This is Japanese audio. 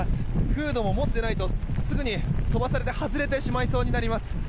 フードも持っていないとすぐに飛ばされて外れてしまいそうになります。